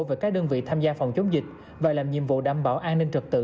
về các đơn vị tham gia phòng chống dịch và làm nhiệm vụ đảm bảo an ninh trực tự